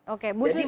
oke musuh sih